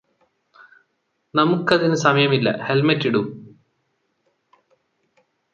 നമുക്കതിനു സമയമില്ല ഹെൽമെറ്റ് ഇടു